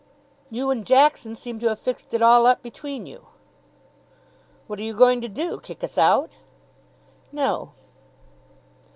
"You and Jackson seem to have fixed it all up between you." "What are you going to do? Kick us out?" "No."